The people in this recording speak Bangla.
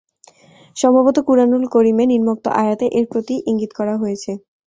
সম্ভবত কুরআনুল করীমে নিম্নোক্ত আয়াতে এর প্রতিই ইঙ্গিত করা হয়েছে।